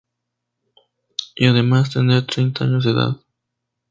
Y además, tener treinta años de edad.